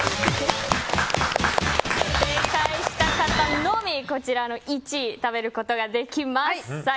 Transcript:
正解した方のみ、こちらの１位食べることができます。